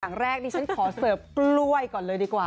อย่างแรกดิฉันขอเสิร์ฟกล้วยก่อนเลยดีกว่า